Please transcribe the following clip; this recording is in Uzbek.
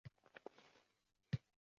U kelajagingizni oldindan ko’ra oladi.